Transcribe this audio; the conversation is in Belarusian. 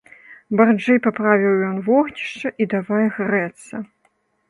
Барзджэй паправіў ён вогнішча і давай грэцца.